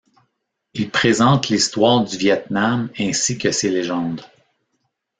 Il présente l'histoire du Viêt Nam ainsi que ses légendes.